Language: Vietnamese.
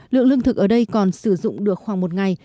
lượng lương thực ở đây còn sử dụng được khoảng một ngày